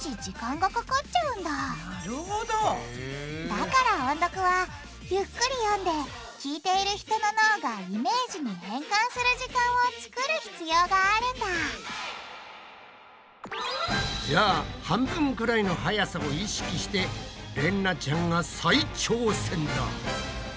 だから音読はゆっくり読んで聞いている人の脳がイメージに変換する時間をつくる必要があるんだじゃあ半分くらいのはやさを意識してれんなちゃんが再挑戦だ！